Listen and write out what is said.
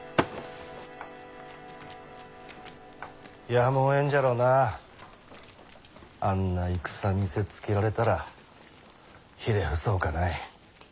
やむをえんじゃろうなあんな戦見せつけられたらひれ伏すほかない。